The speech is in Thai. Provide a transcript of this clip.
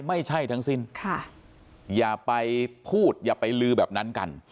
ไม่ใช่ทั้งสิ้นอย่าไปพูดอย่าไปลือแบบนั้นกัน